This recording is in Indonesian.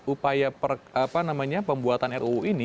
upaya pembuatan ruu ini